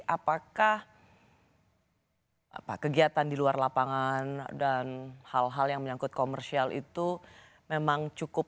apakah kegiatan di luar lapangan dan hal hal yang menyangkut komersial itu memang cukup